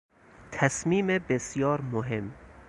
تصمیم بسیار مهم